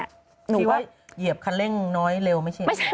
หนูว่าเหยียบคันเร่งน้อยเร็วไม่ใช่